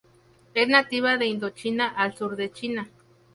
Es nativa de Indochina al sur de China.